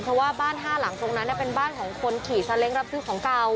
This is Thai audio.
เพราะว่าบ้านห้าหลังตรงนั้นเป็นบ้านของคนขี่ซาเล้งรับซื้อของเก่า